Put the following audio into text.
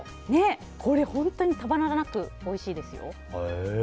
これ、本当にたまらなくおいしいですよ。